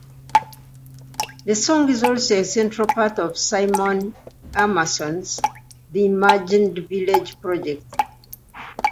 The song is also a central part of Simon Emmerson's "The Imagined Village" project.